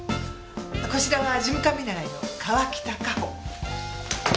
こちらは事務官見習いの川喜多夏帆。